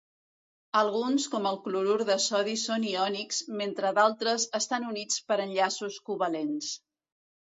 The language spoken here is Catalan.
Alguns com el clorur de sodi són iònics, mentre d'altres estan units per enllaços covalents.